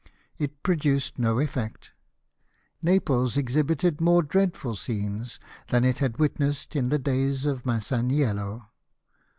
It produced no effect. Naples exhibited more dreadful scenes than it had witnessed in the days of Masaniello.